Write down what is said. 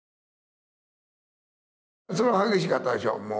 そりゃ激しかったでしょう